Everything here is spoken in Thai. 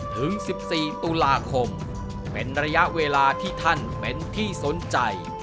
ถึง๑๔ตุลาคมเป็นระยะเวลาที่ท่านเป็นที่สนใจ